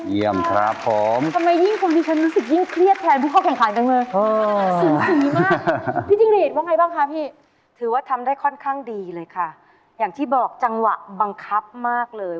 อย่างที่บอกจังหวะบังคับมากเลย